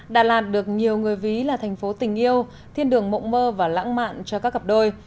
đà lạt được nhiều người ví là thành phố tình yêu thiên đường mộng mơ và lãng mạn cho các cặp đôi